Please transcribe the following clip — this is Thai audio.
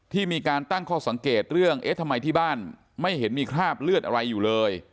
มีการตั้งข้อสังเกตเรื่องเอ๊ะทำไมที่บ้านไม่เห็นมีคราบเลือดอะไรอยู่เลย